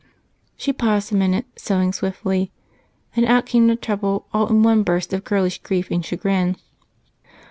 She paused a minute, sewing swiftly; then out came the trouble all in one burst of girlish grief and chagrin.